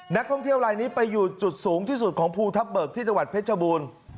นักท่องเที่ยวลายนี้ไปอยู่จุดสูงที่สุดของภูทับเบิกที่จังหวัดเพชรบูรณ์